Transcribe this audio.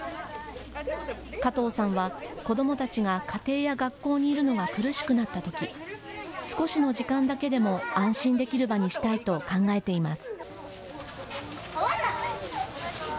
加藤さんは子どもたちが家庭や学校にいるのが苦しくなったとき少しの時間だけでも安心できる場にしたいと考えています。